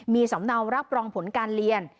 มีสำเนารับรองผลการเรียน